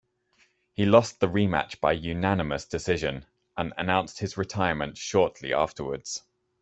He lost the rematch by unanimous decision, and announced his retirement shortly afterwards.